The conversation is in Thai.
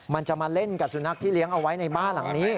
มันจะมาเล่นกับสุนัขที่เลี้ยงเอาไว้ในบ้านหลังนี้